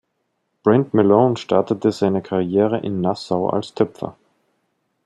Brent Malone startete seine Karriere in Nassau als Töpfer.